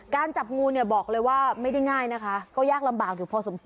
จับงูเนี่ยบอกเลยว่าไม่ได้ง่ายนะคะก็ยากลำบากอยู่พอสมควร